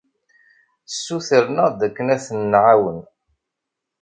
Ssutren-aɣ-d akken ad ten-nɛawen.